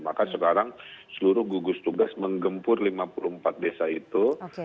maka sekarang seluruh gugus tugas menggempur lima puluh empat desa itu